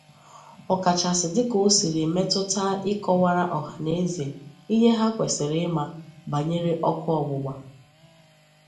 ọkachasị dịka o siri metụta ịkọwara ọhaneze ihe ha kwesiri ịma banyere ọkụ ọgbụgba